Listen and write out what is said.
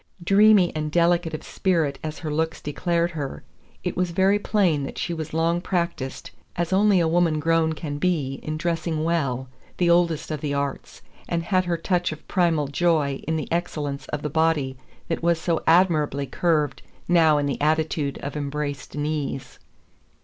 Dreamy and delicate of spirit as her looks declared her, it was very plain that she was long practised as only a woman grown can be in dressing well, the oldest of the arts, and had her touch of primal joy in the excellence of the body that was so admirably curved now in the attitude of embraced knees.